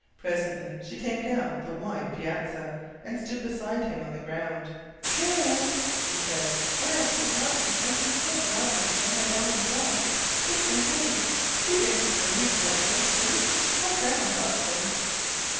Presently she came down the wide piazza and stood beside him on the ground. "Here I am," she said; "and I have some cotton and some silk rav'lings from my dollie's sash—pink and blue. Do you think the birdies would like those, too? My grandma thought so."